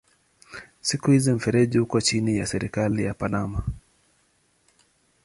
Siku hizi mfereji uko chini ya serikali ya Panama.